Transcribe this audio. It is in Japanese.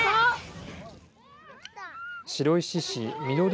白石市みのり